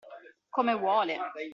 Come vuole!